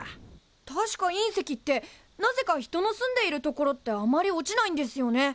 確か隕石ってなぜか人の住んでいるところってあまり落ちないんですよね。